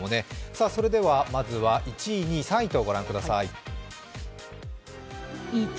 それではまずは１位、２位、３位と御覧ください。